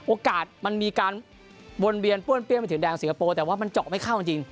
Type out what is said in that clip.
โอกาสมันมีการวนเวียนป้วนเปี้ยไปถึงแดงสิงคโปร์แต่ว่ามันเจาะไม่เข้าจริง